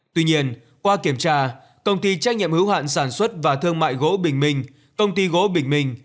tuy nhiên qua kiểm tra công ty trách nhiệm hữu hạn sản xuất và thương mại gỗ bình minh công ty gỗ bình minh